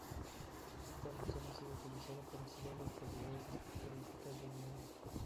Esta reacción ha sido utilizada para estudiar las propiedades espectroscópicas de Lr.